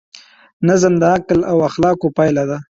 نظم د عقل او اخلاقو پایله ده.